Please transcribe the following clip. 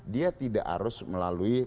dia tidak harus melalui